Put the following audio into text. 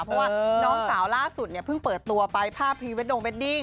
เพราะว่าน้องสาวล่าสุดเนี่ยเพิ่งเปิดตัวไปภาพพรีเวดดงเวดดิ้ง